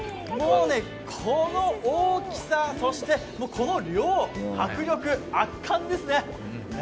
この大きさ、そしてこの量、迫力、圧巻ですね。